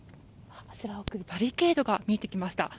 バリケードが見えてきました。